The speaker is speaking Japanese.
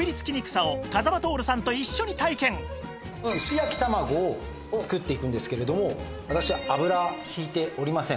この薄焼き卵を作っていくんですけれども私油ひいておりません。